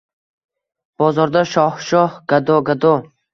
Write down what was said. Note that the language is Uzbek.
Bozorda shoh-shoh, gado-gado.